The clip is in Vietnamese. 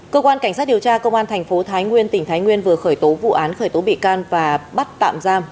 cơ quan cảnh sát điều tra công an thành phố thái nguyên tỉnh thái nguyên vừa khởi tố vụ án khởi tố bị can và bắt tạm giam